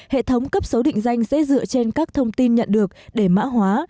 hệ thống cấp số định danh sẽ dựa trên các thông tin nhận được để mã hóa